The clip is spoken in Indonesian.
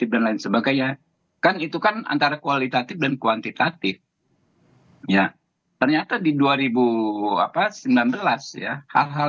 dan lain sebagainya kan itu kan antara kualitatif dan kuantitatif ya ternyata di dua ribu sembilan belas ya hal hal